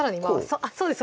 あっそうです